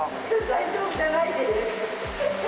大丈夫じゃないです。